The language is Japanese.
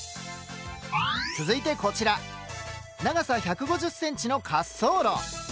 続いてこちら長さ１５０ｃｍの「滑走路」。